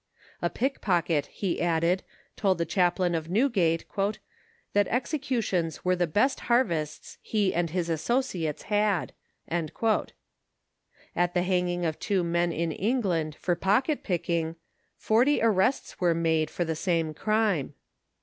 A pickpocket, he added, told the chaplain of Newgate *< that exe* cutions were the best harvests he and his associates had." At the hanging of two men in England, for pocket picking, forty arrests were made for the same crime.